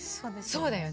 そうだよね。